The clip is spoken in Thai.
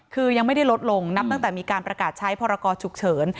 คือยังไม่ได้ลดลงนับตั้งแต่มีการประกาศใช้พรกรฉุกเฉิน